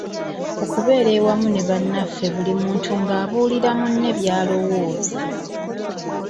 Okubeera awamu ne bannaffe buli muntu ng'abuulira munne by'alowooza.